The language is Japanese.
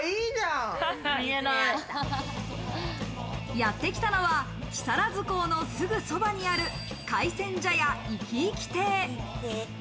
やって来たのは木更津港のすぐそばにある海鮮茶屋活き活き亭。